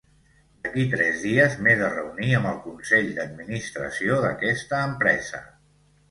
D'aquí tres dies m'he de reunir amb el consell d'administració d'aquesta empresa.